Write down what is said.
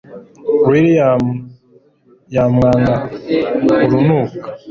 william yamwanga urunuka